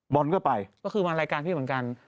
บอลก็ไปก็คือมารายการพี่เหมือนกัน